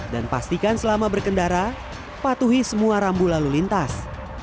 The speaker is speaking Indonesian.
dan pastikan selama berkendara patuhi semua rambu lalu lintas